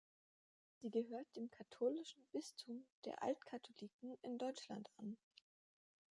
Sie gehört dem Katholischen Bistum der Alt-Katholiken in Deutschland an.